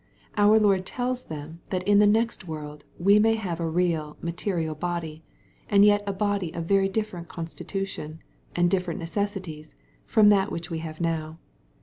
Our Lord tells them that in the next world we may have a real material body, and yet a body of very different constitution, and different necessi * ties, from that which we have now.